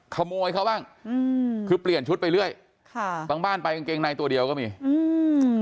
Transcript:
ขโมยเขาบ้างอืมคือเปลี่ยนชุดไปเรื่อยค่ะบางบ้านไปกางเกงในตัวเดียวก็มีอืม